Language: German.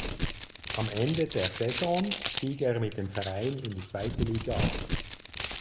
Am Ende der Saison stieg er mit dem Verein in die zweite Liga ab.